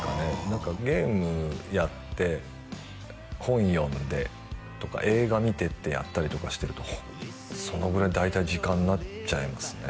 何かゲームやって本読んでとか映画見てってやったりとかしてるとそのぐらいの大体時間になっちゃいますね